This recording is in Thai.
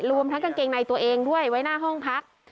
รวมทั้งกางเกงในตัวเองด้วยไว้หน้าห้องพัก